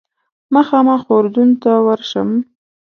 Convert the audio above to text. مخامخ اردن ته ورشم.